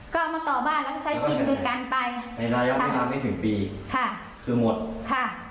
ก็เอามาต่อบ้านแล้วก็ใช้จริงด้วยกันไปไม่ได้ย้ำไม่ถึงปีค่ะคือหมดค่ะ